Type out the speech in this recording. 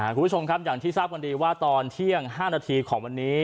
คุณผู้ชมครับอย่างที่ทราบกันดีว่าตอนเที่ยง๕นาทีของวันนี้